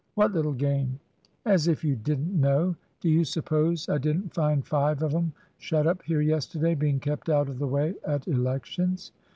"What little game?" "As if you didn't know! Do you suppose I didn't find five of 'em shut up here yesterday, being kept out of the way at Elections?"